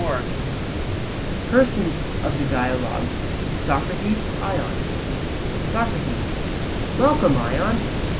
ION PERSONS OF THE DIALOGUE: Socrates, Ion. SOCRATES: Welcome, Ion.